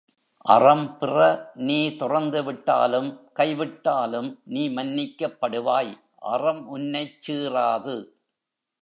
அறம் பிற நீ துறந்து விட்டாலும், கைவிட்டாலும் நீ மன்னிக்கப்படுவாய் அறம் உன்னைச் சீறாது.